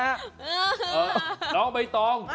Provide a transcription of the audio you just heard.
เออน้องใบตอง